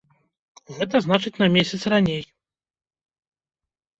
Гэта значыць на месяц раней.